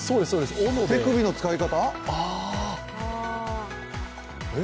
手首の使い方？